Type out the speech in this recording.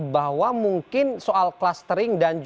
saya ingin mencetak pelajar pancasila